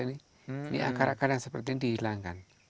ini akar akar yang seperti ini dihilangkan